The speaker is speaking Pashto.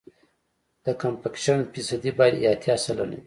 د کمپکشن فیصدي باید اتیا سلنه وي